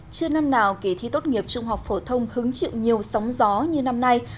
chưa năm nào kỳ thi tốt nghiệp trung học phổ thông hứng chịu nhiều sóng gió như năm nay